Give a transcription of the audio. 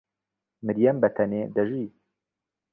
مریەم بەتەنێ دەژی.